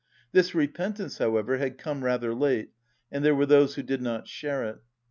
This repentance, however, had come rather late and there were those who did not share it.